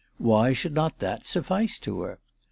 Why should not that suffice to her